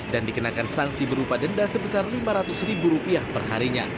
dan dikenakan sanksi berupa denda sebesar lima ratus ribu rupiah